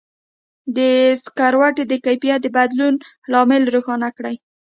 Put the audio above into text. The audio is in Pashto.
د سکروټي د کیفیت د بدلون لامل روښانه کړئ.